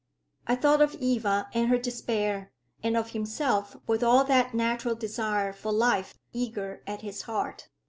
I thought of Eva and her despair, and of himself with all that natural desire for life eager at his heart.